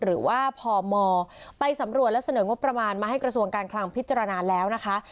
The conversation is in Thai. หรือว่าพมไปสำรวจและเสนองบประมาณมาให้กระทรวงการคลังพิจารณาแล้วนะคะ